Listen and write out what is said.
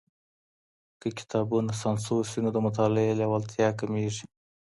که کتابونه سانسور سي نو د مطالعې لېوالتيا کمېږي.